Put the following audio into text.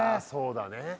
そうだね。